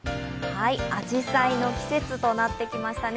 あじさいの季節となってきましたね。